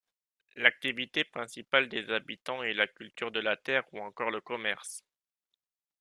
L'activité principale des habitants est la culture de la terre ou encore le commerce.